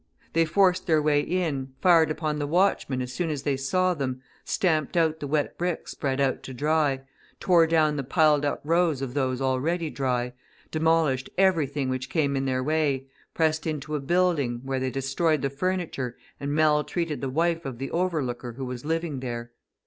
They forced their way in, fired upon the watchmen as soon as they saw them, stamped out the wet bricks spread out to dry, tore down the piled up rows of those already dry, demolished everything which came in their way, pressed into a building, where they destroyed the furniture and maltreated the wife of the overlooker who was living there.